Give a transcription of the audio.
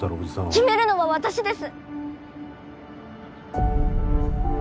決めるのは私です！